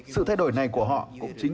sự thay đổi này của họ cũng chính là tuyệt vời